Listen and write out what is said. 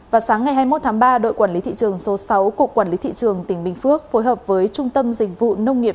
vào sáng ngày hai mươi một tháng ba đội quản lý thị trường số sáu cục quản lý thị trường tỉnh bình phước phối hợp với trung tâm dịch vụ nông nghiệp